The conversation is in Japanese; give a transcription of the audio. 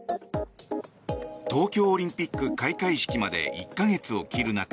東京オリンピック開会式まで１か月を切る中